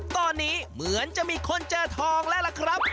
ตอนนี้เหมือนจะมีคนเจอทองแล้วล่ะครับ